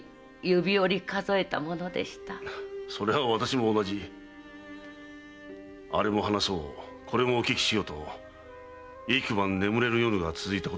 それは私も同じあれも話そうこれもお聞きしようと幾晩眠れぬ夜が続いたことか。